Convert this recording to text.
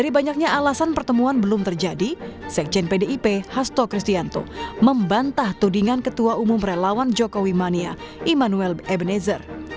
dari banyaknya alasan pertemuan belum terjadi sekjen pdip hasto kristianto membantah tudingan ketua umum relawan jokowi mania immanuel ebenezer